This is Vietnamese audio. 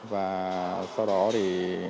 và sau đó thì